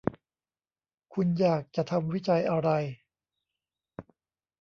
คุณอยากจะทำวิจัยอะไร